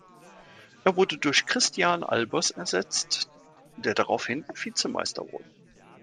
Er wurde durch Christijan Albers ersetzt, der daraufhin Vizemeister wurde.